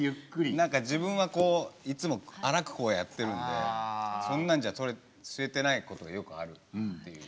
何か自分はこういつも荒くこうやってるんでそんなんじゃ吸えてないことがよくあるっていう。